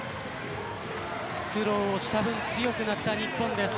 苦労をした分強くなった日本です。